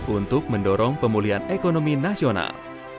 untuk mendorong pemulihan ekonomi nasional